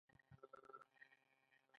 عصري تعلیم مهم دی ځکه چې د ژبو تنوع ساتي.